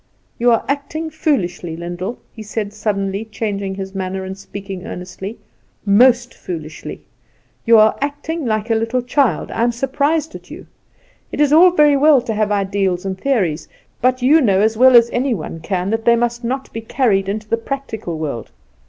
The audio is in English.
"You are acting foolishly, Lyndall," he said, suddenly changing his manner, and speaking earnestly, "most foolishly. You are acting like a little child; I am surprised at you. It is all very well to have ideals and theories; but you know as well as any one can that they must not be carried into the practical world.